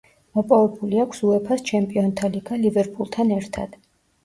მოპოვებული აქვს უეფა-ს ჩემპიონთა ლიგა „ლივერპულთან“ ერთად.